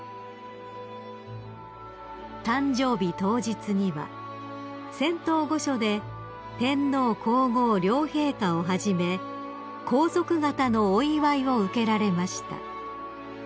［誕生日当日には仙洞御所で天皇皇后両陛下をはじめ皇族方のお祝いを受けられました］